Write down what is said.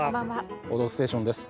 「報道ステーション」です。